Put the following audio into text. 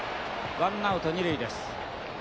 ワンアウト２塁です。